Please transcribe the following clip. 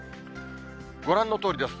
ご覧のとおりです。